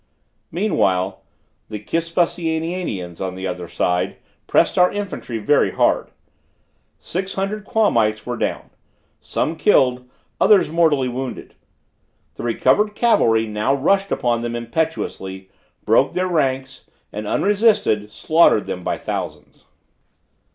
Meanwhile, the Kispusiananians on the other side pressed our infantry very hard; six hundred Quamites were down: some killed, others mortally wounded. The recovered cavalry now rushed upon them impetuously, broke their ranks, and, unresisted, slaughtered them by thousands.